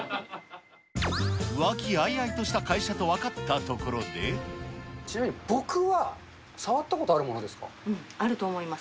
和気あいあいとした会社と分ちなみに僕は触ったことあるあると思います。